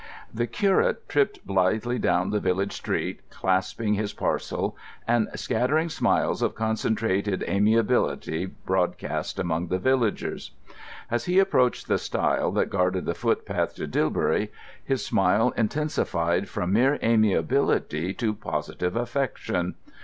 The curate tripped blithely down the village street, clasping his parcel and scattering smiles of concentrated amiability broadcast among the villagers. As he approached the stile that guarded the footpath to Dilbury, his smile intensified from mere amiability to positive affection.